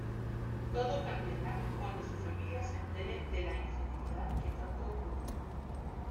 Todo cambiará cuando su familia se entere de la infidelidad que tanto oculta.